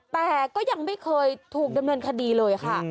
แต่ก็ยังไม่เคยถูกดำเนินคดีเลยค่ะ